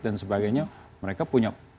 dan sebagainya mereka punya